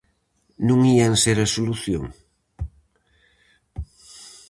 Non ían ser a solución?